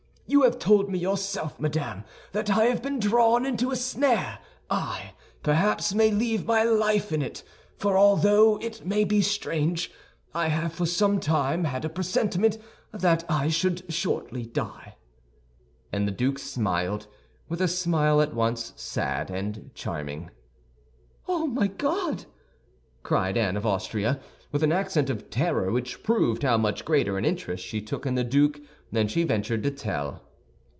You have told me yourself, madame, that I have been drawn into a snare; I, perhaps, may leave my life in it—for, although it may be strange, I have for some time had a presentiment that I should shortly die." And the duke smiled, with a smile at once sad and charming. "Oh, my God!" cried Anne of Austria, with an accent of terror which proved how much greater an interest she took in the duke than she ventured to tell.